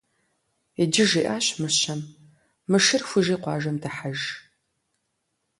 Иджы, - жиӀащ Мыщэм, - мы шыр хужи къуажэм дыхьэж.